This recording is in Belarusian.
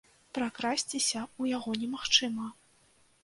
Пракрасціся ў яго немагчыма.